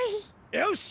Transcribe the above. よし！